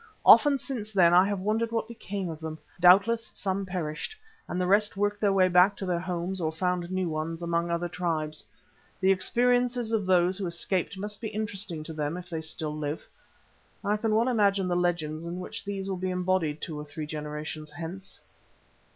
Often since then I have wondered what became of them. Doubtless some perished, and the rest worked their way back to their homes or found new ones among other tribes. The experiences of those who escaped must be interesting to them if they still live. I can well imagine the legends in which these will be embodied two or three generations hence.